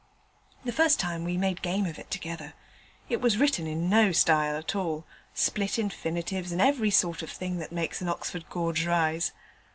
The first time we made game of it together. It was written in no style at all split infinitives, and every sort of thing that makes an Oxford gorge rise.